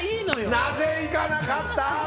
なぜいかなかった！